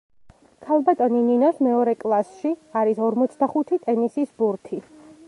ქალბატონი ნინოს მეორე კლასში არის ორმოცდახუთი ტენისის ბურთი.